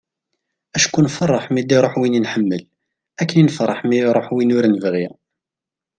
acku nfeṛṛeḥ mi d-iruḥ win nḥemmel akken i nfeṛṛeḥ mi iruḥ win ur nebɣi